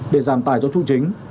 để giảm tải cho trụ chính